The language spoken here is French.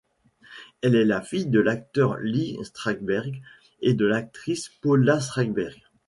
Elle est la fille de l'acteur Lee Strasberg et de l'actrice Paula Strasberg.